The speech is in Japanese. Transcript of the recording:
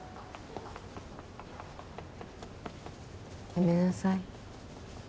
やめなさい。